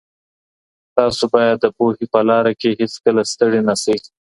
تاسو باید د پوهني په لاره کي هیڅکله ستړي نه سئ.